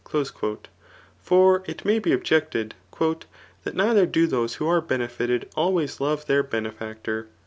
J' For it may be objected, •* That neither do Aose who are benefited always love [their benefactor.